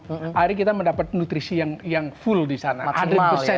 akhirnya kita mendapat nutrisi yang full di sana